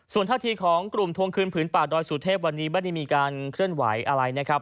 ส่วนท่าทีของกลุ่มทวงคืนผืนป่าดอยสุเทพวันนี้ไม่ได้มีการเคลื่อนไหวอะไรนะครับ